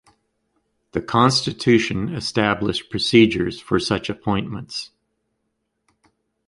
The constitution established procedures for such appointments.